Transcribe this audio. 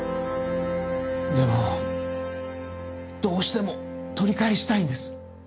でもどうしても取り返したいんです。